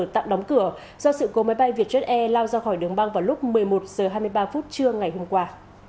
tạm đóng cửa do sự cố máy bay vietjet air lao ra khỏi đường băng vào lúc một mươi một h hai mươi ba phút trưa ngày hôm qua